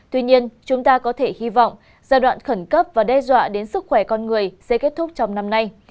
tuy nhiên chúng ta có thể hy vọng giai đoạn khẩn cấp và đe dọa đến sức khỏe con người sẽ kết thúc trong năm nay